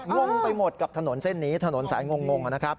งงไปหมดกับถนนเส้นนี้ถนนสายงงนะครับ